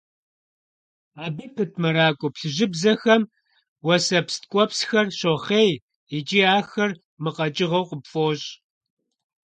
Абы пыт мэракӀуэ плъыжьыбзэхэм уэсэпс ткӀуэпсхэр щохъей икӀи ахэр мыкъэкӀыгъэу къыпфӀощӀ.